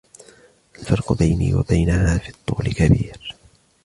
الفرق بيني و بينها في الطول كبير.